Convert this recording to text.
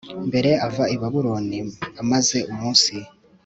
mbere ava i babuloni amaze umunsi